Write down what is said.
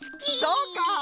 そうか。